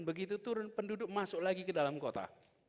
begitu turun penduduk masuk lagi ke dalam kota